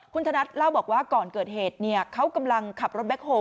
คุณธนัทเล่าบอกว่าก่อนเกิดเหตุเขากำลังขับรถแบ็คโฮล